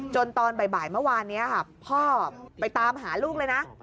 ตอนบ่ายเมื่อวานนี้ค่ะพ่อไปตามหาลูกเลยนะ